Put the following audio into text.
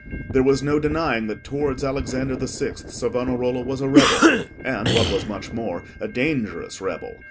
There was no denying that towards Alexander the Sixth Savonarola was a rebel, and, what was much more, a dangerous rebel.